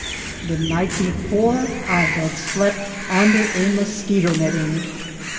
The night before I had slept under a moscheto netting !